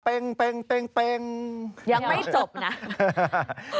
เป็งเป็งเป็งเป็ง